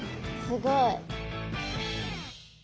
すごい。